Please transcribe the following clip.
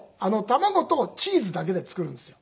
卵とチーズだけで作るんですよ。